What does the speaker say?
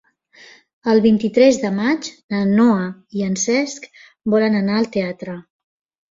El vint-i-tres de maig na Noa i en Cesc volen anar al teatre.